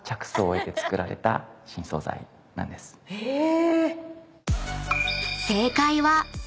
へぇ！